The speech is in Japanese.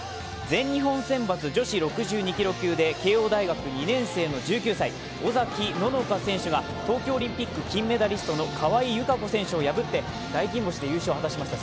全日本選抜女子６２ｋｇ級で慶応大学２年生の１９歳、尾崎野乃香選手が東京オリンピック金メダリストの川井友香子選手を破って大金星で優勝を果たしました。